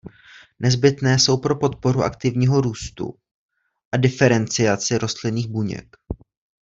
Nezbytné jsou pro podporu aktivního růstu a diferenciaci rostlinných buněk.